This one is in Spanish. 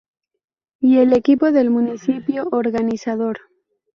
Y el equipo del municipio organizador.